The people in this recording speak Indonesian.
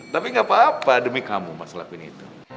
tapi gak apa apa demi kamu pak selapin itu